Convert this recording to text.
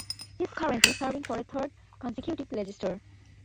He is currently serving for a third consecutive legislature.